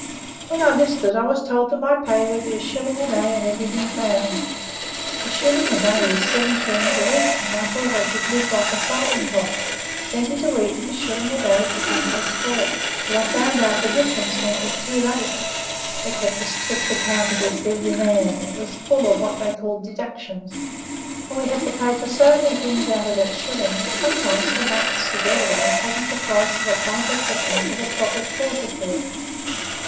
When I 'listed I was told my pay would be a shilling a day and everything found. A shilling a day is seven shillings a week, and I thought I should live like a fighting cock, plenty to eat and a shilling a day for drink or sport. But I found out the difference when it was too late. They kept a strict account against every man; it was full of what they called deductions, and we had to pay for so many things out of that shilling that sometimes for months together I hadn't the price of a pint o' threepenny with a trop o' porter through it."